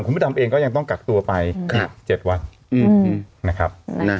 ถ้าทำเองก็ยังต้องกักตัวไป๗วันนะครับ